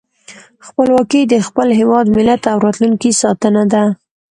خپلواکي د خپل هېواد، ملت او راتلونکي ساتنه ده.